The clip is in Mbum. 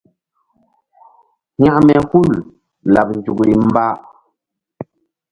Hȩkme hul laɓ nzukri mba.